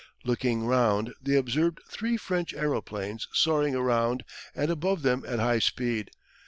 Looking round, they observed three French aeroplanes soaring around and above them at high speed.